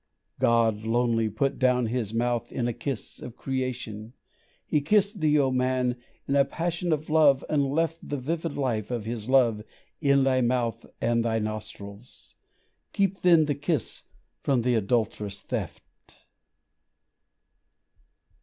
God, lonely, put down His mouth in a kiss of creation, He kissed thee, O Man, in a passion of love, and left The vivid life of His love in thy mouth and thy nostrils; Keep then the kiss from the adultress' theft.